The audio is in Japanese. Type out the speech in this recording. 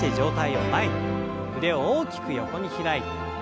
腕を大きく横に開いて。